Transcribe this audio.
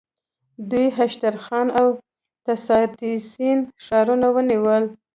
دوی هشترخان او تساریتسین ښارونه ونیول.